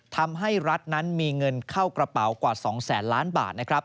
ทำให้รัฐนั้นมีเงินเข้ากระเป๋ากว่า๒๐๐ล้านบาท